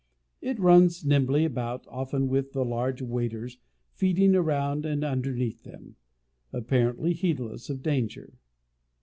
It runs nimbly about, often with the large waders, feeding around and beneath them, apparently heedless of danger.